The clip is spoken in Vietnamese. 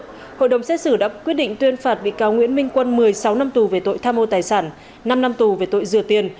theo hội đồng xét xử đã quyết định tuyên phạt bị cáo nguyễn minh quân một mươi sáu năm tù về tội tham mô tài sản năm năm tù về tội rửa tiền